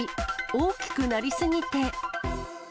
大きくなりすぎて。